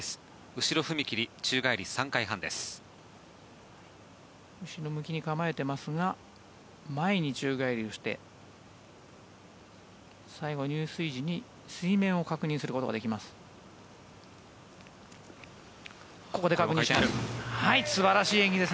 後ろ向きに構えていますが前に宙がえりをして最後、入水時に水面を確認することができます。